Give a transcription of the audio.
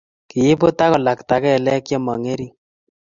kiiput ak kolakta kelek chemong'ering